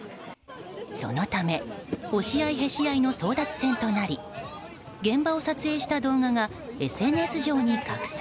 そのため、押し合いへし合いの争奪戦となり現場を撮影した動画がＳＮＳ上に拡散。